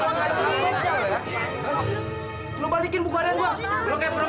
ada supaya buku tanggian gua hilang